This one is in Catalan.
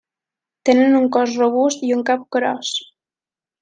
Tenen un cos robust i un cap gros.